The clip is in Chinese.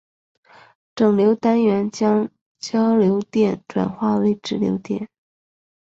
整流单元将交流电转化为直流电。